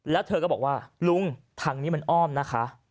แล้วเธอก็บอกว่าลุงทางนี้มันอ้อมนะคะ